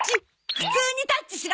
普通にタッチしろ！